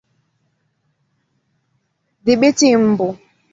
Dhibiti mbu